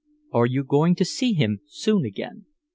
"Are you going to see him soon again?"